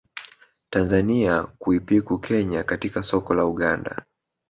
Tanzania kuipiku Kenya katika soko la Uganda